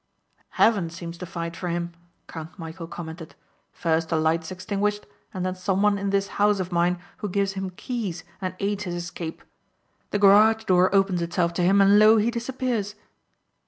"Heaven seems to fight for him," Count Michæl commented. "First the lights extinguished and then someone in this house of mine who gives him keys and aids his escape. The garage door opens itself to him and lo, he disappears."